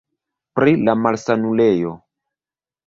Pri la malsanulejo.